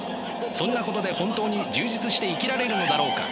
そんなことで本当に充実して生きられるのだろうか。